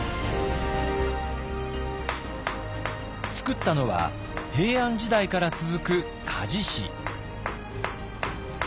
つくったのは平安時代から続く鍛冶師。